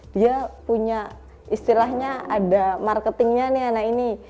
dia punya istilahnya ada marketingnya nih anak ini